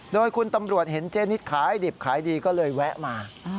โดยคุณตำรวจเห็นเจนิดขายดิบขายดีก็เลยแวะมา